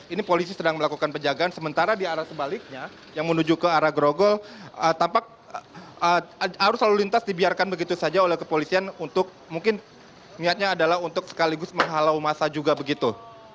ini polisi sedang melakukan penjagaan sementara di arah sebaliknya yang menuju ke arah grogol tampak arus lalu lintas dibiarkan begitu saja oleh kepolisian untuk mungkin niatnya adalah untuk sekaligus menghalau masa juga begitu